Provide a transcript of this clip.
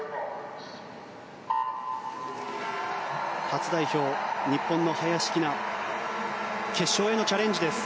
初代表、日本の林希菜決勝へのチャレンジです。